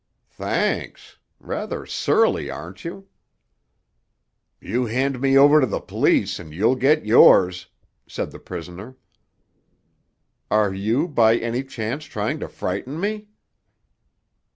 "Thanks! Rather surly, aren't you?" "You hand me over to the police, and you'll get yours!" said the prisoner. "Are you, by any chance, trying to frighten me?"